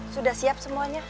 sudah siap semuanya